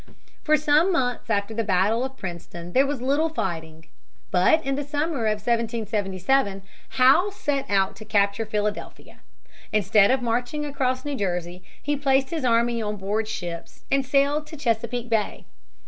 For some months after the battle of Princeton there was little fighting. But in the summer of 1777, Howe set out to capture Philadelphia. Instead of marching across New Jersey, he placed his army on board ships, and sailed to Chesapeake Bay.